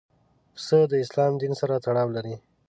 پسه د اسلام دین سره تړاو لري.